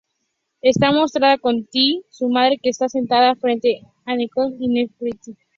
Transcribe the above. Está mostrada con Tiy, su madre, que está sentada frente a Akenatón y Nefertiti.